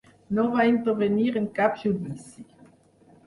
No va intervenir en cap judici.